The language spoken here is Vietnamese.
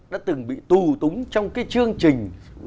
đã từng bị tù túng trong cái chương trình